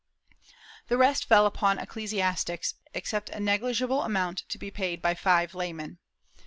The rest fell upon ecclesiastics, except a neg ligible amount to be paid by five laymen.